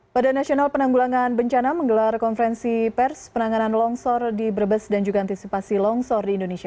pada nasional penanggulangan bencana menggelar konferensi pers penanganan longsor di brebes dan juga antisipasi longsor di indonesia